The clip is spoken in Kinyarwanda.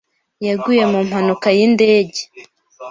yaguye mu mpanuka y'indege.